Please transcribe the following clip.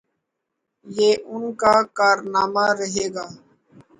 یہ ان کا کارنامہ رہے گا۔